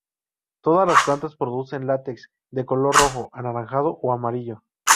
Todas las plantas producen látex de color rojo, anaranjado o amarillo.